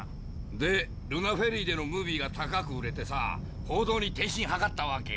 でルナフェリーでのムービーが高く売れてさ報道に転身はかったわけ。